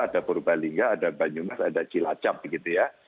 ada purbalingga ada banyumas ada cilacap begitu ya